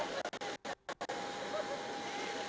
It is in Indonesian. aling se program energi dari memper capus